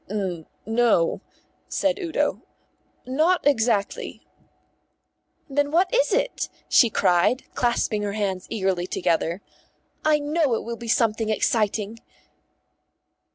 "N no," said Udo; "not exactly." "Then what is it?" she cried, clasping her hands eagerly together. "I know it will be something exciting."